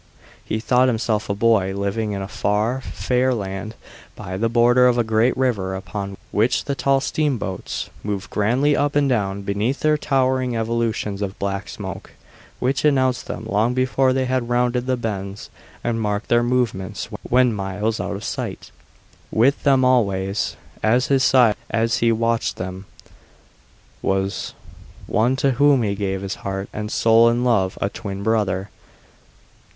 He thought himself a boy, living in a far, fair land by the border of a great river upon which the tall steamboats moved grandly up and down beneath their towering evolutions of black smoke, which announced them long before they had rounded the bends and marked their movements when miles out of sight. With him always, at his side as he watched them, was one to whom he gave his heart and soul in love a twin brother.